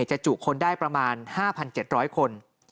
จุคนได้ประมาณ๕๗๐๐คน